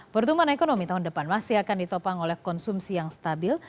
pertumbuhan ekonomi tahun depan masih akan ditopang oleh konsumsi yang stabil